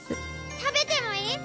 食べてもいい？